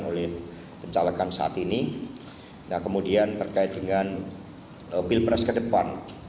oleh pencalakan saat ini kemudian terkait dengan bilpres ke depan